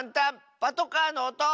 パトカーのおと！